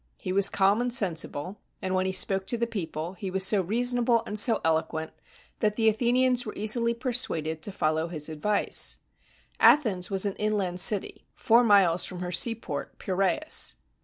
He was calm and sensible, and when he spoke to the people, he was so reasonable and so elo quent that the Athenians were easily persuaded to fol low his advice. Athens was an inland city, four miles from her seaport, Pirasus.